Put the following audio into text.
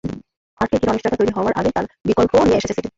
হার্টকে ঘিরে অনিশ্চয়তা তৈরি হওয়ার আগেই তাঁর বিকল্পও নিয়ে এসেছে সিটি।